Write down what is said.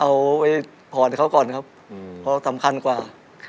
เอาไปพอร์ตให้เขาก่อนครับเพราะสำคัญกว่า